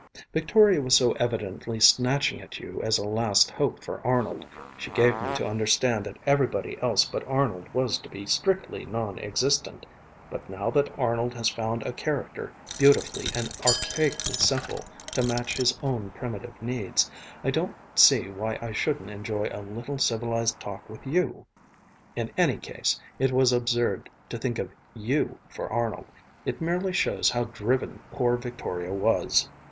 _ Victoria was so evidently snatching at you as a last hope for Arnold. She gave me to understand that everybody else but Arnold was to be strictly non existent. But now that Arnold has found a character beautifully and archaically simple to match his own primitive needs, I don't see why I shouldn't enjoy a little civilized talk with you. In any case, it was absurd to think of you for Arnold. It merely shows how driven poor Victoria was!"